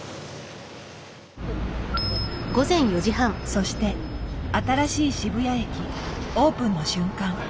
そして新しい渋谷駅オープンの瞬間。